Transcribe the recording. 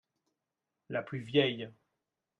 La plus vieille.